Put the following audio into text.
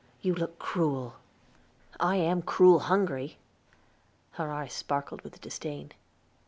You look cruel." "I am cruel hungry." Her eyes sparkled with disdain.